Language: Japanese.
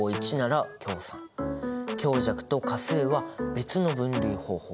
強弱と価数は別の分類方法。